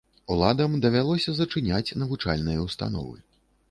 Уладам давялося зачыняць навучальныя ўстановы.